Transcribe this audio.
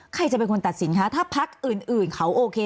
ใครจะเป็นคนตัดสินคะถ้าพักอื่นเขาโอเค